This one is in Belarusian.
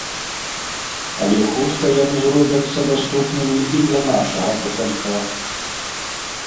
Але хутка яны зробяцца даступнымі і для нашага кашалька.